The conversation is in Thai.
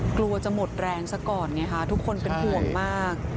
กลัวจะหมดแรงซะก่อนไงค่ะทุกคนเป็นห่วงมาก